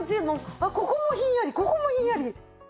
あっここもひんやりここもひんやり。